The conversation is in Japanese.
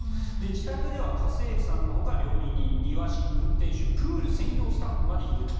自宅では家政婦さんのほか料理人庭師、運転手プール専用スタッフまでいると。